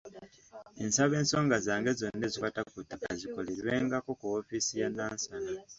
Nsaba ensonga zange zonna ezikwata ku ttaka zikolerwengako ku ofiisi y’e Nansana.